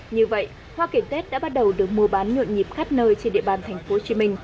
như vậy hoa kiển tết đã bắt đầu được mua bán nhuộn nhịp khắp nơi trên địa bàn tp hcm